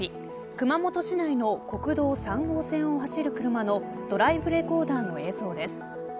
熊本市内の国道３号線を走る車のドライブレコーダーの映像です。